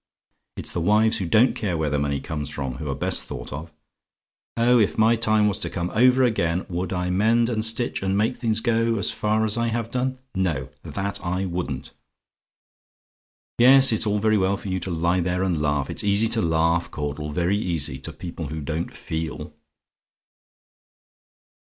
It's the wives who don't care where the money comes from who're best thought of. Oh, if my time was to come over again, would I mend and stitch, and make the things go so far as I have done? No that I wouldn't. Yes, it's very well for you to lie there and laugh; it's easy to laugh, Caudle very easy, to people who don't feel.